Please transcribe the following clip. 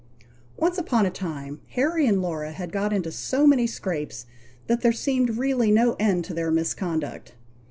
Once upon a time Harry and Laura had got into so many scrapes, that there seemed really no end to their misconduct.